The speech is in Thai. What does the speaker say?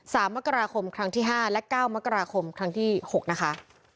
สามมกราคมครั้งที่ห้าและเก้ามกราคมครั้งที่หกนะคะ